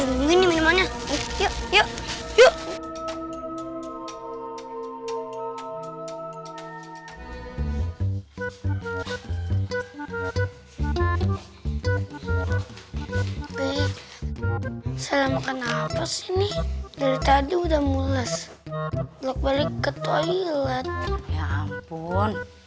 selamatkan apa sini dari tadi udah mulas blok balik ke toilet ya ampun